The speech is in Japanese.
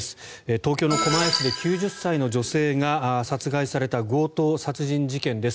東京の狛江市で９０歳の女性が殺害された強盗殺人事件です。